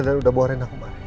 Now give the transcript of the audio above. dan udah bawa rena kemari